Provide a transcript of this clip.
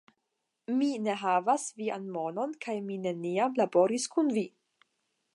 Mi ne havas vian monon kaj mi neniam laboris kun vi!